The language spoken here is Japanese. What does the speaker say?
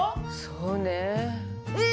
そうねえ。